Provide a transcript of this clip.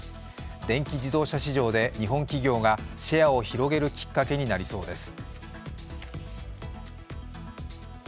電気自動車市場で日本企業がシェアを広げるきっかけとなりそうです。